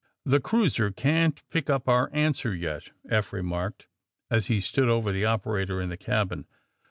*'The cruiser can't pick up our answer yet," Eph remarked, as he stood over the operator in the cabin.